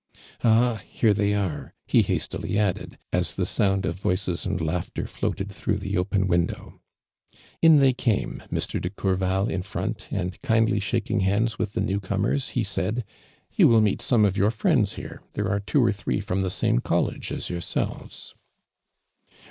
'' Ahl here they are!"' he hastily added, ss the sound of voices and laughter floated through the open window. In they came, Mr. de Courval in front. ' ARMAND DURAND. 26 and kindly shaking hands with tho new comers, he said: "You will meet some of your friends here. There are two or thi'ee from the same college as yourselves."